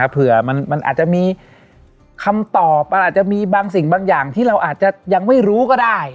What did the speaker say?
เผื่อมันอาจจะมีคำตอบอาจจะมีบางสิ่งบางอย่างที่เราอาจจะยังไม่รู้ก็ได้